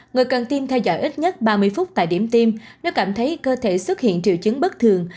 người cần tiêm theo dõi ít nhất ba mươi phút tại điểm tiêm nếu cảm thấy cơ thể xuất hiện triệu chứng bất thường